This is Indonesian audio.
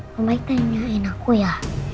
kamu baik tanyain aku ya